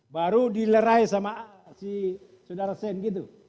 baru dilerai sama si saudara sen gitu